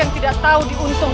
kau tidak bisa mencari kursi ini